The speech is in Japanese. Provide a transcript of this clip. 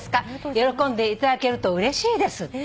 「喜んでいただけるとうれしいです」って。